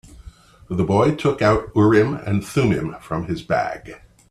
The boy took out Urim and Thummim from his bag.